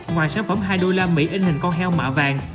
ngoài sản phẩm hai usd in hình con heo mạ vàng